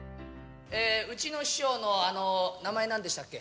うちの師匠の名前何でしたっけ？